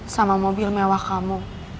sama mobil mewah kamu